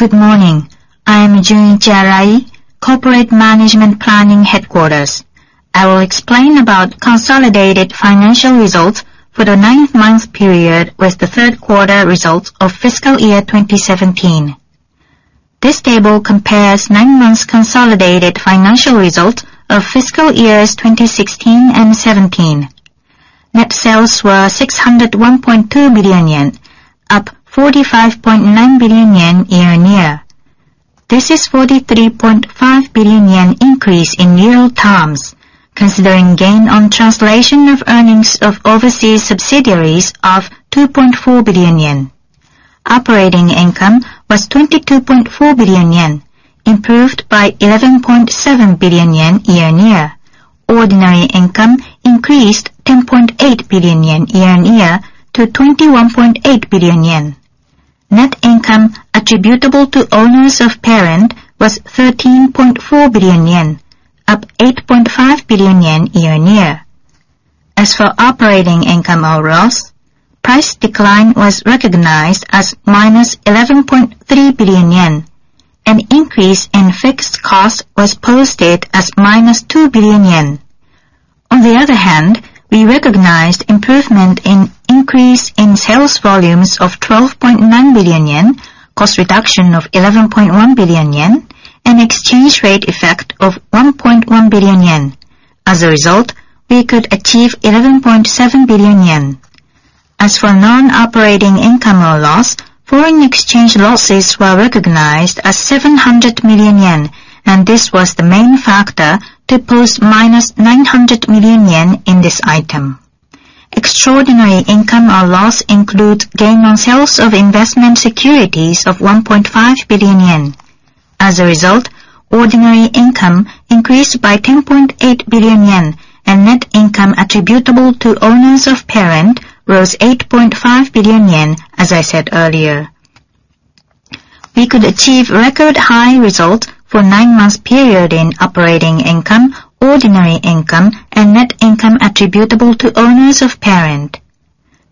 Good morning. I am Junichi Arai, Corporate Management Planning Headquarters. I will explain about consolidated financial results for the 9-month period with the third quarter results of fiscal year 2017. This table compares 9 months consolidated financial result of fiscal years 2016 and 2017. Net sales were 601.2 billion yen, up 45.9 billion yen year-on-year. This is 43.5 billion yen increase in year terms, considering gain on translation of earnings of overseas subsidiaries of 2.4 billion yen. Operating income was 22.4 billion yen, improved by 11.7 billion yen year-on-year. Ordinary income increased 10.8 billion yen year-on-year to 21.8 billion yen. Net income attributable to owners of parent was 13.4 billion yen, up 8.5 billion yen year-on-year. As for operating income or loss, price decline was recognized as minus 11.3 billion yen. An increase in fixed cost was posted as minus 2 billion yen. On the other hand, we recognized improvement in increase in sales volumes of 12.9 billion yen, cost reduction of 11.1 billion yen, and exchange rate effect of 1.1 billion yen. As a result, we could achieve 11.7 billion yen. As for non-operating income or loss, foreign exchange losses were recognized as 700 million yen, and this was the main factor to post minus 900 million yen in this item. Extraordinary income or loss includes gain on sales of investment securities of 1.5 billion yen. As a result, ordinary income increased by 10.8 billion yen, and net income attributable to owners of parent rose 8.5 billion yen, as I said earlier. We could achieve record high results for 9-month period in operating income, ordinary income, and net income attributable to owners of parent.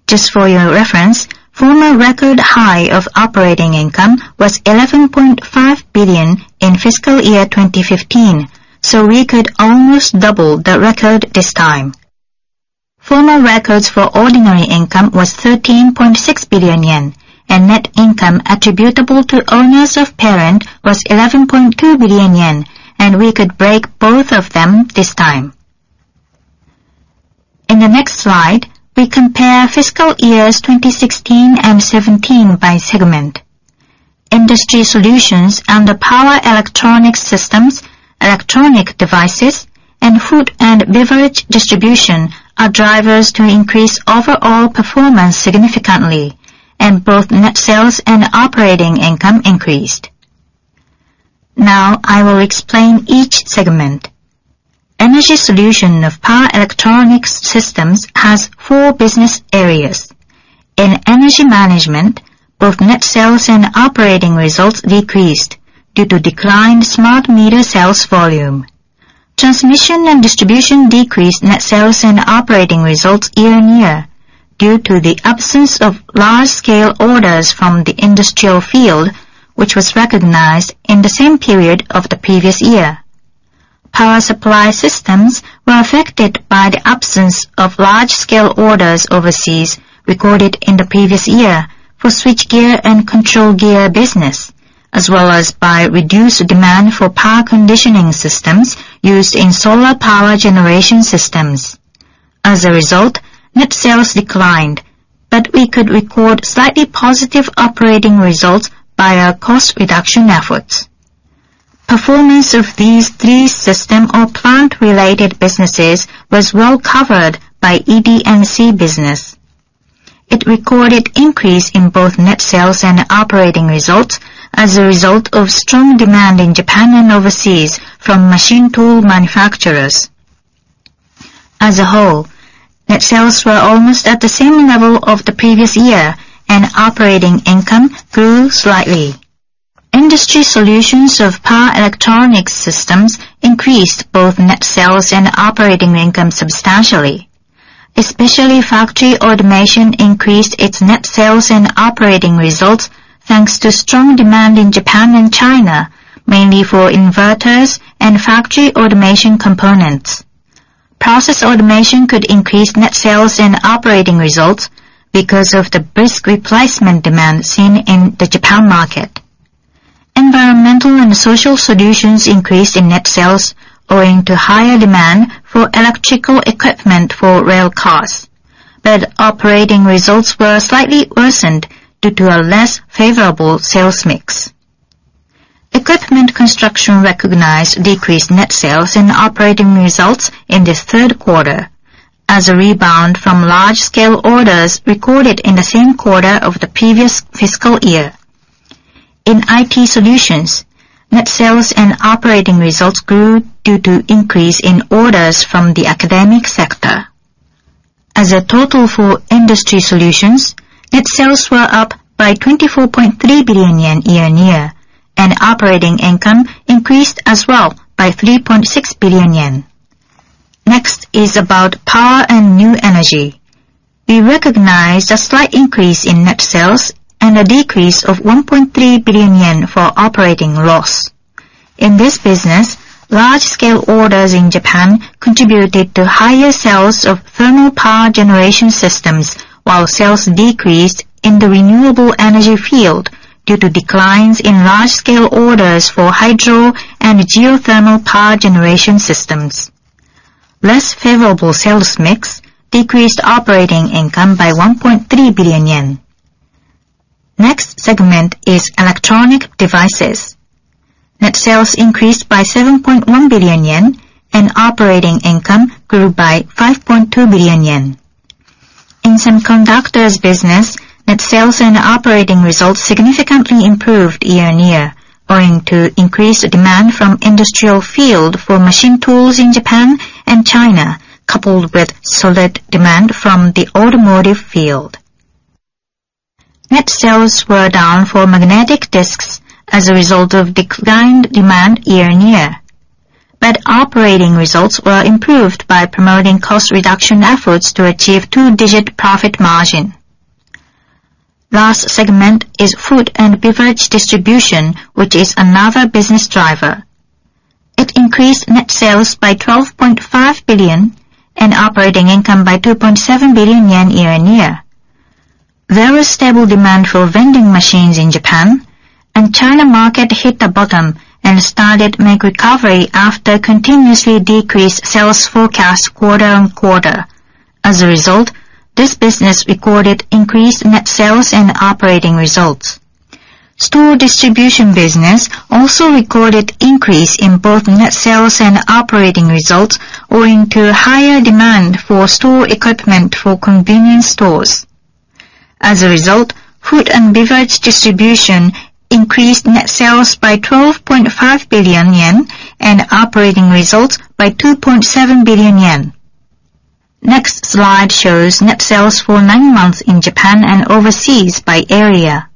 Just for your reference, former record high of operating income was 11.5 billion in fiscal year 2015, so we could almost double the record this time. Former records for ordinary income was 13.6 billion yen, and net income attributable to owners of parent was 11.2 billion yen, and we could break both of them this time. In the next slide, we compare fiscal years 2016 and 2017 by segment. Industry Solutions and the Power Electronics Systems, Electronic Devices, and Food and Beverage Distribution are drivers to increase overall performance significantly, and both net sales and operating income increased. Now, I will explain each segment. Energy Solutions of Power Electronics Systems has 4 business areas. In Energy Management, both net sales and operating results decreased due to declined smart meter sales volume. Transmission and Distribution decreased net sales and operating results year-on-year due to the absence of large-scale orders from the industrial field, which was recognized in the same period of the previous year. Power Supply Systems were affected by the absence of large-scale orders overseas recorded in the previous year for switchgear and control gear business, as well as by reduced demand for power conditioning systems used in solar power generation systems. As a result, net sales declined, but we could record slightly positive operating results via cost reduction efforts. Performance of these 3 system or plant-related businesses was well-covered by ED&C business. It recorded increase in both net sales and operating results as a result of strong demand in Japan and overseas from machine tool manufacturers. As a whole, net sales were almost at the same level of the previous year, and operating income grew slightly. Industry Solutions of Power Electronics Systems increased both net sales and operating income substantially. Especially Factory Automation increased its net sales and operating results thanks to strong demand in Japan and China, mainly for inverters and factory automation components. Process Automation could increase net sales and operating results because of the brisk replacement demand seen in the Japan market. Environmental and Social Solutions increased in net sales owing to higher demand for electrical equipment for rail cars, but operating results were slightly worsened due to a less favorable sales mix. Equipment Construction recognized decreased net sales and operating results in this third quarter as a rebound from large-scale orders recorded in the same quarter of the previous fiscal year. In IT Solutions, net sales and operating results grew due to increase in orders from the academic sector. As a total for Industry Solutions, net sales were up by 24.3 billion yen year-on-year, and operating income increased as well by 3.6 billion yen. Next is about Power and New Energy. We recognize a slight increase in net sales and a decrease of 1.3 billion yen for operating loss. In this business, large-scale orders in Japan contributed to higher sales of thermal power generation systems, while sales decreased in the renewable energy field due to declines in large-scale orders for hydro and geothermal power generation systems. Less favorable sales mix decreased operating income by 1.3 billion yen. Next segment is Electronic Devices. Net sales increased by 7.1 billion yen, and operating income grew by 5.2 billion yen. In Semiconductors business, net sales and operating results significantly improved year-on-year, owing to increased demand from industrial field for machine tools in Japan and China, coupled with solid demand from the automotive field. Net sales were down for magnetic disks as a result of declined demand year-on-year, but operating results were improved by promoting cost reduction efforts to achieve two-digit profit margin. Last segment is Food and Beverage Distribution, which is another business driver. It increased net sales by 12.5 billion and operating income by 2.7 billion yen year-on-year. There was stable demand for vending machines in Japan, and China market hit the bottom and started make recovery after continuously decreased sales forecast quarter-on-quarter. As a result, this business recorded increased net sales and operating results. Store Distribution business also recorded increase in both net sales and operating results, owing to higher demand for store equipment for convenience stores. As a result, Food and Beverage Distribution increased net sales by 12.5 billion yen and operating results by 2.7 billion yen. Next slide shows net sales for nine months in Japan and overseas by area.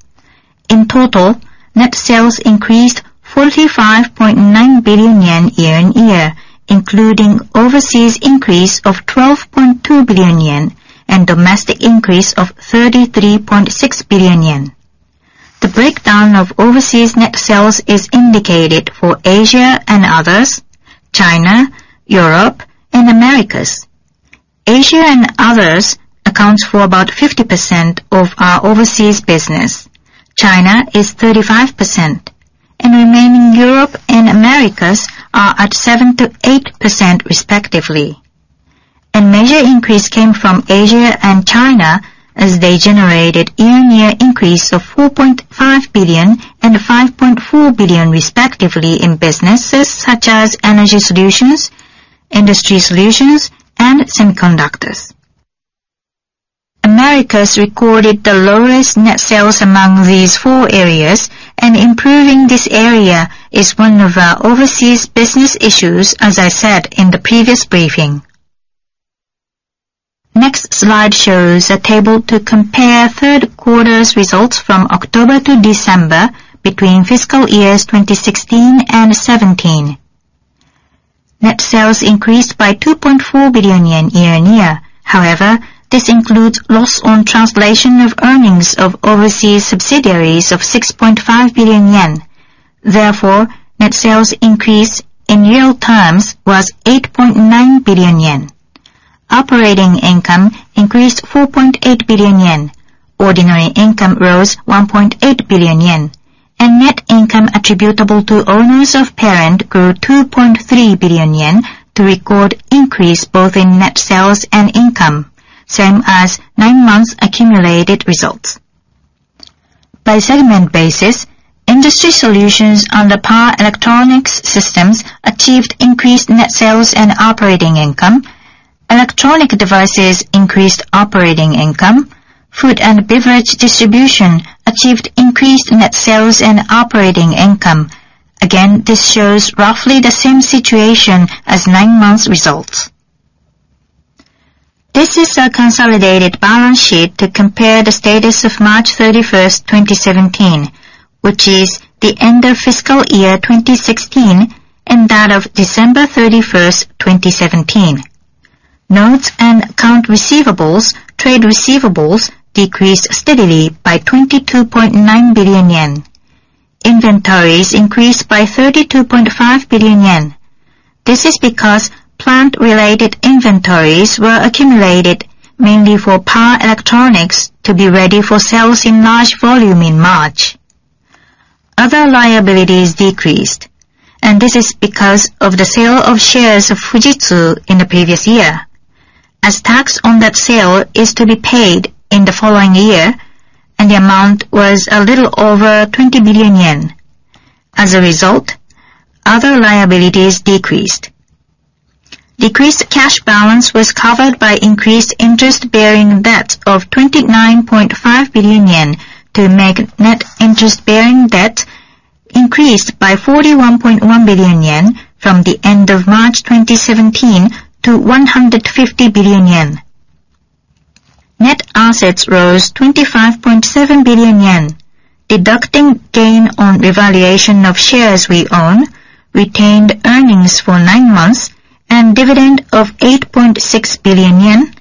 In total, net sales increased 45.9 billion yen year-on-year, including overseas increase of 12.2 billion yen and domestic increase of 33.6 billion yen. The breakdown of overseas net sales is indicated for Asia and others, China, Europe, and Americas. Asia and others accounts for about 50% of our overseas business. China is 35%, and remaining Europe and Americas are at 7%-8% respectively. A major increase came from Asia and China, as they generated year-on-year increase of 4.5 billion and 5.4 billion respectively in businesses such as Energy Solutions, Industry Solutions, and semiconductors. Americas recorded the lowest net sales among these four areas, and improving this area is one of our overseas business issues, as I said in the previous briefing. Next slide shows a table to compare third quarter's results from October to December, between fiscal years 2016 and 2017. Net sales increased by 2.4 billion yen year-on-year. This includes loss on translation of earnings of overseas subsidiaries of 6.5 billion yen. Net sales increase in real terms was 8.9 billion yen. Operating income increased 4.8 billion yen. Ordinary income rose 1.8 billion yen. Net income attributable to owners of parent grew 2.3 billion yen to record increase both in net sales and income, same as nine months accumulated results. By segment basis, Industry Solutions under Power Electronics Systems achieved increased net sales and operating income. Electronic Devices increased operating income. Food and Beverage Distribution achieved increased net sales and operating income. Again, this shows roughly the same situation as nine months results. This is our consolidated balance sheet to compare the status of March 31st, 2017, which is the end of fiscal year 2016, and that of December 31st, 2017. Notes and account receivables, trade receivables decreased steadily by 22.9 billion yen. Inventories increased by 32.5 billion yen. This is because plant-related inventories were accumulated mainly for power electronics to be ready for sales in large volume in March. Other liabilities decreased, this is because of the sale of shares of Fujitsu in the previous year. Tax on that sale is to be paid in the following year, the amount was a little over 20 billion yen. As a result, other liabilities decreased. Decreased cash balance was covered by increased interest-bearing debt of 29.5 billion yen to make net interest-bearing debt increased by 41.1 billion yen from the end of March 2017 to 150 billion yen. Net assets rose 25.7 billion yen. Deducting gain on revaluation of shares we own, retained earnings for nine months and dividend of 8.6 billion yen,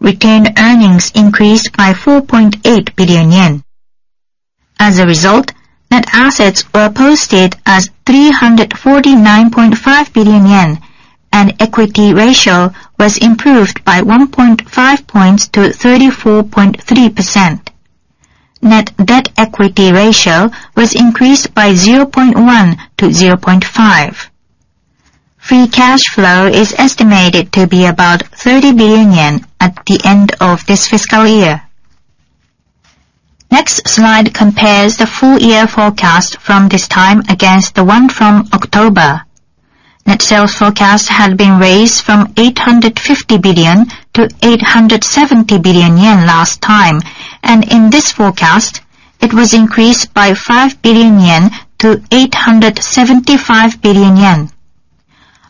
retained earnings increased by 4.8 billion yen. As a result, net assets were posted as 349.5 billion yen, and equity ratio was improved by 1.5 points to 34.3%. Net debt equity ratio was increased by 0.1 to 0.5. Free cash flow is estimated to be about 30 billion at the end of this fiscal year. Next slide compares the full year forecast from this time against the one from October. Net sales forecast had been raised from 850 billion to 870 billion yen last time, and in this forecast, it was increased by 5 billion yen to 875 billion yen.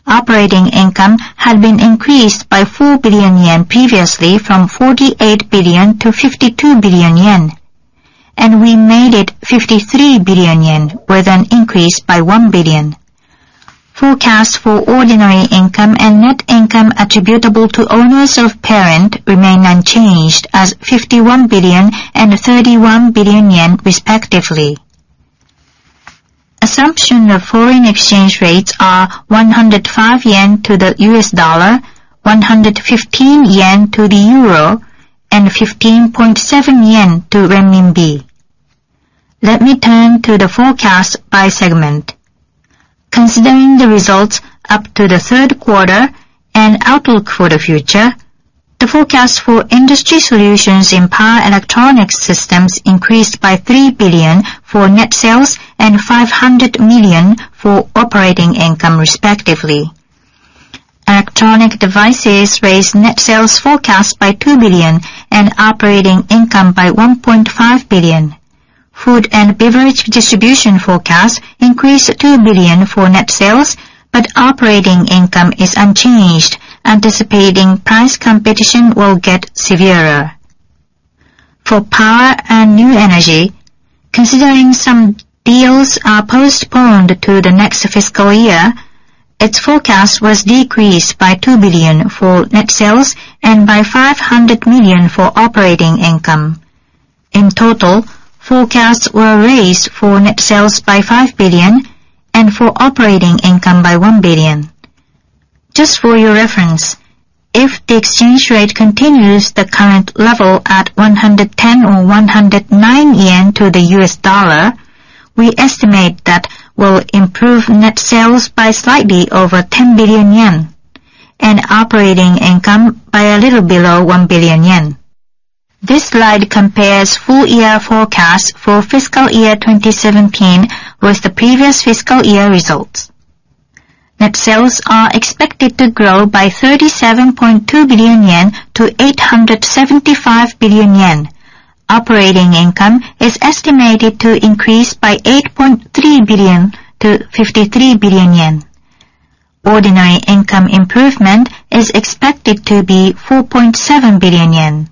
Operating income had been increased by 4 billion yen previously from 48 billion to 52 billion yen, and we made it 53 billion yen with an increase by 1 billion. Forecast for ordinary income and net income attributable to owners of parent remained unchanged as 51 billion and 31 billion yen respectively. Assumption of foreign exchange rates are 105 yen to the US dollar, 115 yen to the euro, and JPY 15.7 to renminbi. Let me turn to the forecast by segment. Considering the results up to the third quarter and outlook for the future, the forecast for Industry Solutions in Power Electronics Systems increased by 3 billion for net sales and 500 million for operating income respectively. Electronic Devices raised net sales forecast by 2 billion and operating income by 1.5 billion. Food and Beverage Distribution forecast increased 2 billion for net sales, but operating income is unchanged, anticipating price competition will get severer. For Power and New Energy, considering some deals are postponed to the next fiscal year, its forecast was decreased by 2 billion for net sales and by 500 million for operating income. In total, forecasts were raised for net sales by 5 billion and for operating income by 1 billion. Just for your reference, if the exchange rate continues the current level at 110 or 109 yen to the US dollar, we estimate that will improve net sales by slightly over JPY 10 billion, and operating income by a little below 1 billion yen. This slide compares full year forecast for fiscal year 2017 with the previous fiscal year results. Net sales are expected to grow by 37.2 billion yen to 875 billion yen. Operating income is estimated to increase by 8.3 billion to 53 billion yen. Ordinary income improvement is expected to be 4.7 billion yen.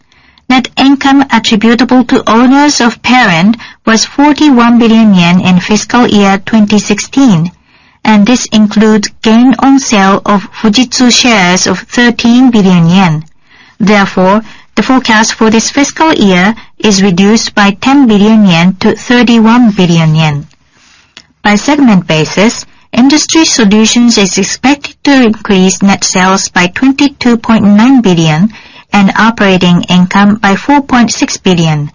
Net income attributable to owners of parent was 41 billion yen in fiscal year 2016, and this includes gain on sale of Fujitsu shares of 13 billion yen. Therefore, the forecast for this fiscal year is reduced by 10 billion yen to 31 billion yen. By segment basis, industry solutions is expected to increase net sales by 22.9 billion and operating income by 4.6 billion.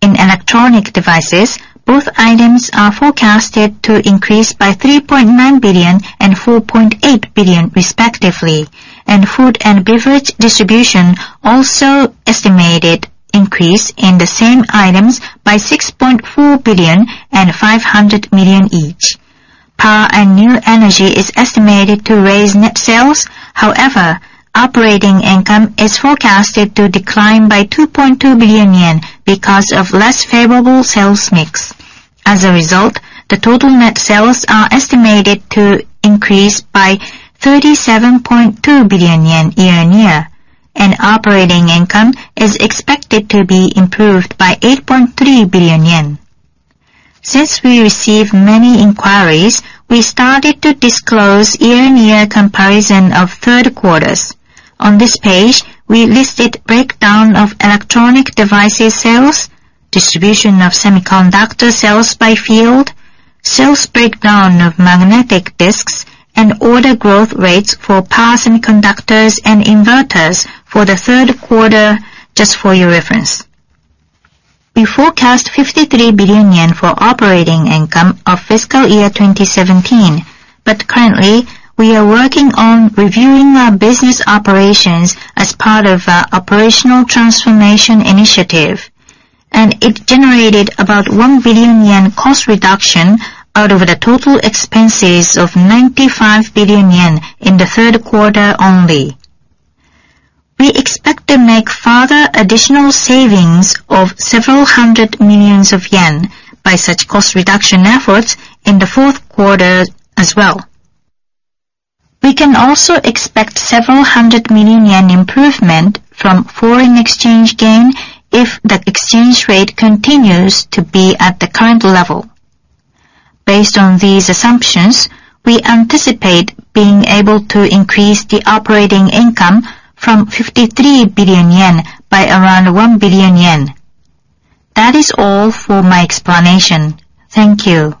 In Electronic Devices, both items are forecasted to increase by 3.9 billion and 4.8 billion respectively. Food and Beverage Distribution also estimated increase in the same items by 6.4 billion and 500 million each. Power and new energy is estimated to raise net sales, however, operating income is forecasted to decline by 2.2 billion yen because of less favorable sales mix. As a result, the total net sales are estimated to increase by 37.2 billion yen year-on-year, and operating income is expected to be improved by 8.3 billion yen. Since we receive many inquiries, we started to disclose year-on-year comparison of third quarters. On this page, we listed breakdown of Electronic Devices sales, distribution of semiconductor sales by field, sales breakdown of magnetic disks, and order growth rates for power semiconductors and inverters for the third quarter just for your reference. We forecast 53 billion yen for operating income of fiscal year 2017, but currently, we are working on reviewing our business operations as part of our Operational Transformation Initiative, and it generated about 1 billion yen cost reduction out of the total expenses of 95 billion yen in the third quarter only. We expect to make further additional savings of several hundred millions of JPY by such cost reduction efforts in the fourth quarter as well. We can also expect several hundred million JPY improvement from foreign exchange gain if the exchange rate continues to be at the current level. Based on these assumptions, we anticipate being able to increase the operating income from 53 billion yen by around 1 billion yen. That is all for my explanation. Thank you.